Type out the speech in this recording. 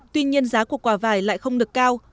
tuy nhiên giá của quả vải lại không được cao